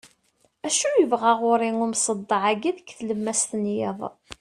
acu yebɣa ɣur-i umseḍḍeɛ-agi deg tlemmast n yiḍ